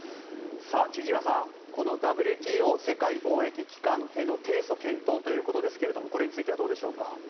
千々岩さんＷＴＯ・世界貿易機関への提訴検討ということですがこれについてはどうでしょうか。